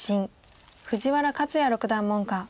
藤原克也六段門下。